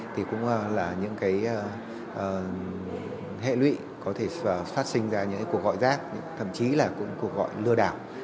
thì cũng là những cái hệ lụy có thể phát sinh ra những cuộc gọi rác thậm chí là cũng cuộc gọi lừa đảo